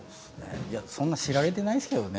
そんな知られていないですけどね。